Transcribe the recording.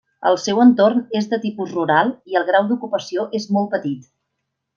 El seu entorn és de tipus rural i el grau d'ocupació és molt petit.